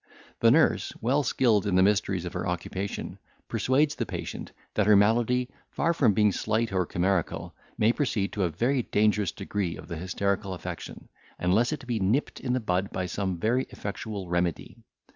The nurse, well skilled in the mysteries of her occupation, persuades the patient, that her malady, far from being slight or chimerical, may proceed to a very dangerous degree of the hysterical affection, unless it be nipt in the bud by some very effectual remedy.